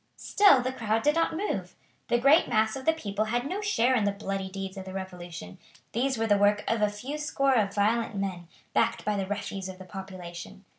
Still the crowd did not move. The great mass of the people had no share in the bloody deeds of the Revolution; these were the work of a few score of violent men, backed by the refuse of the population.